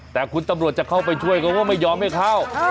แต่คุณตำรวจจะเข้าไปช่วยเขาก็ไม่ยอมให้เข้า